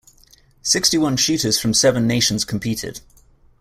Sixty-one shooters from seven nations competed.